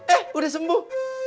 eh udah sembuh